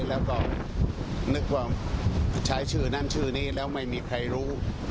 แล้วก็นึกว่าใช้ชื่อนั้นชื่อนี้แล้วไม่มีใครรู้